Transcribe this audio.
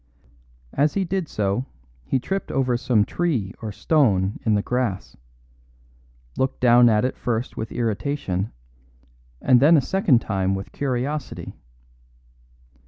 As he did so he tripped over some tree or stone in the grass; looked down at it first with irritation and then a second time with curiosity.